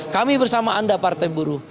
kami bersama anda partai buruh